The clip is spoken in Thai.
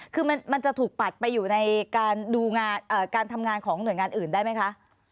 คือมันจะถูกปัดไปอยู่ในการดูการทำงานของหน่วยงานอื่นได้ไหมคะ